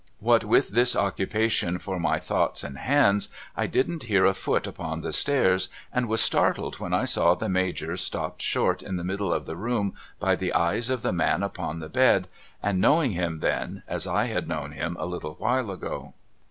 What with this occupation for my thoughts and hands, I didn't hear a foot upon the stairs, and was startled when I saw the Major stopped short in the middle of the room by the eyes of the man upon the bed, and knowing him then, as I had known him a little while ago.